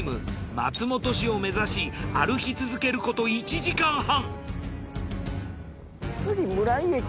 松本市を目指し歩き続けること１時間半。